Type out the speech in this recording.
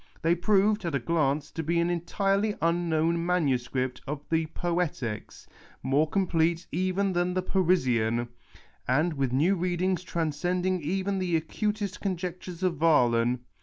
They proved, at a glance, to be an entirely unknown MS. of the " Poetics,"' more complete even than the Parisian, and with new readings transcending even the acutest conjectures of Vahlen.